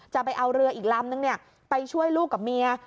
จะเอาเรืออีกลำนึงไปช่วยลูกกับเมีย